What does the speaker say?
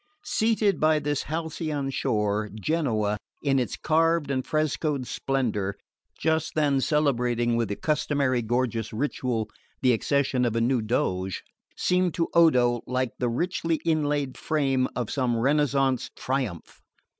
Seated by this halcyon shore, Genoa, in its carved and frescoed splendour, just then celebrating with the customary gorgeous ritual the accession of a new Doge, seemed to Odo like the richly inlaid frame of some Renaissance "triumph."